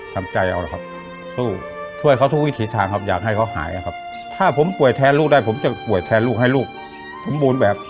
เขาเสียใจก็ต้องทำใจเอานะครับ